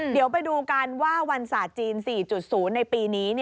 เดี๋ยวไปดูกันว่าวันศาสตร์จีน๔๐ในปีนี้